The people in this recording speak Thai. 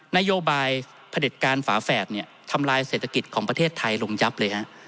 นโยบายประเด็ดการฝาแฝดทำลายเศรษฐกิจของประเทศไทยลงยับเลยฮะ